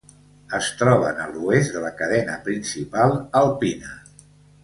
Es troben a l'oest de la cadena principal alpina.